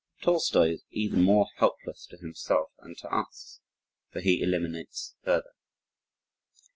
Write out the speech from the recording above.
Tolstoi is even more helpless to himself and to us. For he eliminates further.